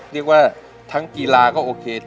เรียกว่าทั้งกีฬาก็โอเค